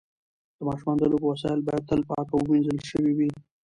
د ماشومانو د لوبو وسایل باید تل پاک او وینځل شوي وي.